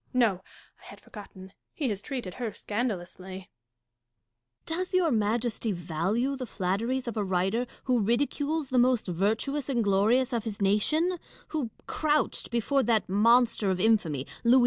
No ! I had forgotten ; he has treated her scandalously. Dashkof, Does your Majesty value the flatteries of a CATHARINE AND PRINCESS DASHKOF. 91 writer who ridicules the most virtuous and glorious of his nation ; who crouched before that monster of infamy, Louis XV.